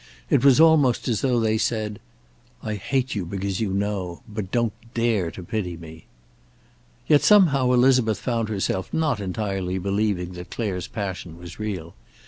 It was almost as though they said: "I hate you because you know. But don't dare to pity me." Yet, somehow, Elizabeth found herself not entirely believing that Clare's passion was real.